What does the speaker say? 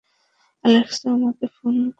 Alex আমাকে phone করবে।